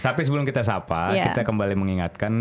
tapi sebelum kita sapa kita kembali mengingatkan